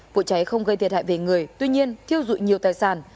vụ cháy không gây thiệt hại về người tuy nhiên thiêu dụi nhiều tài sản